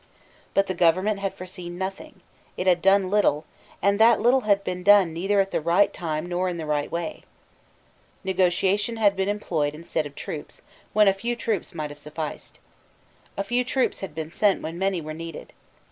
But the government had foreseen nothing: it had done little; and that little had been done neither at the right time nor in the right way. Negotiation had been employed instead of troops, when a few troops might have sufficed. A few troops had been sent when many were needed.